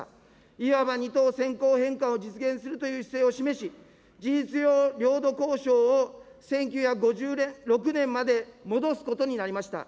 いわば二島先行返還を実現するという姿勢を示し、事実上、領土交渉を１９５６年まで戻すことになりました。